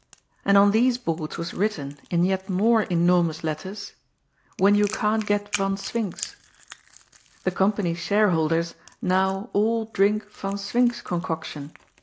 And on these boards was written in yet more enormous letters :When yon can't get Van Swink's." The company's shareholders now all drink Van Swink's concoction.